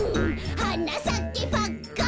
「はなさけパッカン」